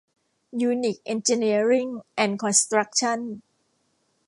ยูนิค เอ็นจิเนียริ่ง แอนด์ คอนสตรัคชั่น